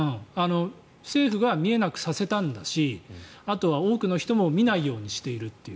政府が見えなくさせたんだしあとは多くの人も見ないようにしているという。